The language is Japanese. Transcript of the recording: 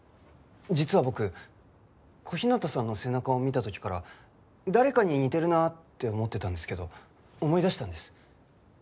実は僕小日向さんの背中を見た時から誰かに似てるなって思ってたんですけど思い出したんです。